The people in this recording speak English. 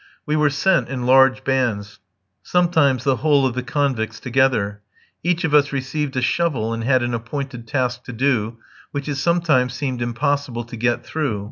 We were sent in large bands, sometimes the whole of the convicts together. Each of us received a shovel and had an appointed task to do, which it sometimes seemed impossible to get through.